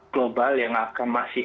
global yang akan masih